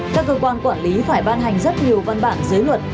các cơ quan quản lý phải ban hành rất nhiều văn bản dưới luật